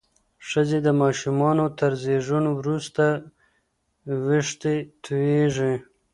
ښځې د ماشومانو تر زیږون وروسته وېښتې تویېږي.